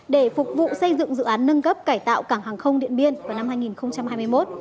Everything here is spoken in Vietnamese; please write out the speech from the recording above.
để phục vụ xây dựng dự án nâng cấp cải tạo cảng hàng không điện biên vào năm hai nghìn hai mươi một